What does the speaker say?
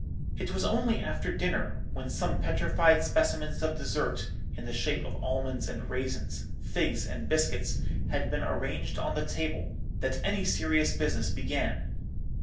It was only after dinner, when some petrified specimens of dessert, in the shape of almonds and raisins, figs and biscuits, had been arranged on the table, that any serious business began.